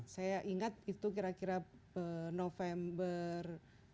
saya ingat itu kira kira november